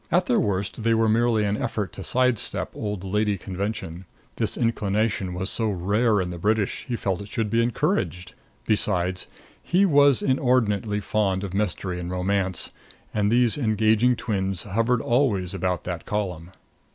At their worst they were merely an effort to side step old Lady Convention; this inclination was so rare in the British, he felt it should be encouraged. Besides, he was inordinately fond of mystery and romance, and these engaging twins hovered always about that column.